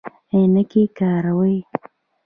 عینکې کاروئ؟